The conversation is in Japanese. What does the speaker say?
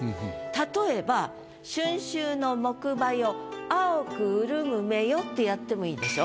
例えば「春愁の木馬よ青く潤む目よ」ってやってもいいでしょ。